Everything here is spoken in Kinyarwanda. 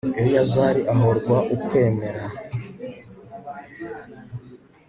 eleyazari ahorwa ukwemera